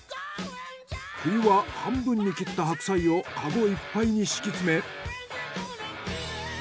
冬は半分に切った白菜をカゴいっぱいに敷き詰め。